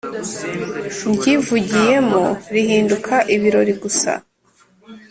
ndyivugiyemo rihinduka ibirori gusa !